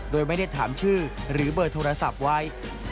โดยไม่ได้ถามชื่อหรือเบอร์โทรศัพท์ไว้